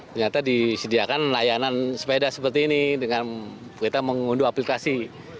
ternyata disediakan layanan sepeda seperti ini dengan kita mengunduh aplikasi